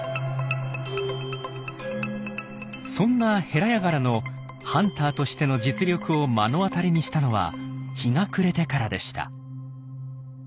そんなヘラヤガラのハンターとしての実力を目の当たりにしたのは日が暮れてからでした。